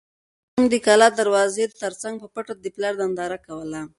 ماشوم د کلا د دروازې تر څنګ په پټه د پلار ننداره کوله.